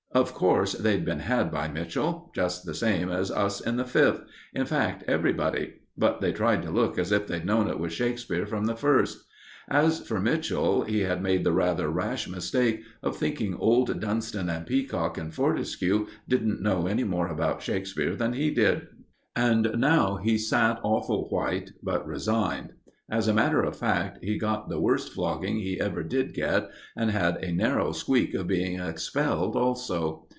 Of course, they'd been had by Mitchell, just the same as us in the Fifth in fact, everybody; but they tried to look as if they'd known it was Shakespeare from the first. As for Mitchell, he had made the rather rash mistake of thinking old Dunston and Peacock and Fortescue didn't know any more about Shakespeare than he did; and now he sat awful white, but resigned. As a matter of fact, he got the worst flogging he ever did get, and had a narrow squeak of being expelled also.